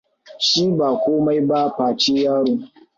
Shi ba komai ba face yaro.